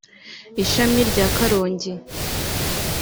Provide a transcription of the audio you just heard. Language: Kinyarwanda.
ishami rya Karongi